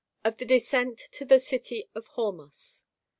Of the Descent to the City of Hormos.